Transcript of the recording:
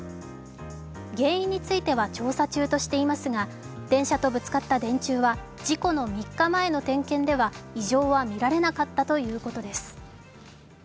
現任については調査中としていますが電車とぶつかった電柱は事故の３日前の点検では異常は見られなかったということです。